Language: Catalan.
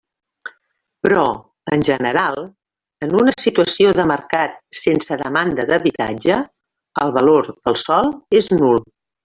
Però, en general, en una situació de mercat sense demanda d'habitatge, el valor del sòl és nul.